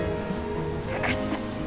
分かった。